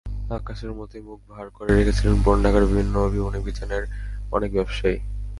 আকাশের মতোই মুখ ভার করে রেখেছিলেন পুরান ঢাকার বিভিন্ন বিপণিবিতানের অনেক ব্যবসায়ী।